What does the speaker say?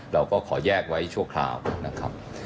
เราก็ขอแยกไว้ชั่วคราวนะครับ